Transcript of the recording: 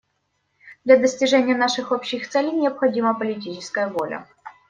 Для достижения наших общих целей необходима политическая воля.